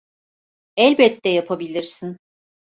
Elbette yapabilirsin.